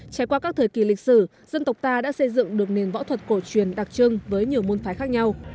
trải qua các thời kỳ lịch sử dân tộc ta đã xây dựng được nền võ thuật cổ truyền đặc trưng với nhiều môn phái khác nhau